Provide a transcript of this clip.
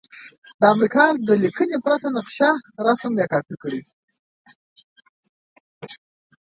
د امریکا د لیکنې پرته نقشه رسم یا کاپې کړئ.